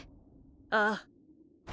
ああ。